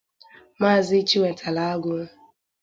Maazị Chiwetalu Agu